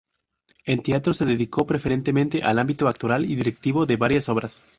En teatro se dedicó preferentemente al ámbito actoral y directivo de varias obras.